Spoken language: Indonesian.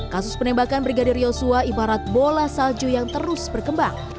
kasus penembakan brigadir yosua ibarat bola salju yang terus berkembang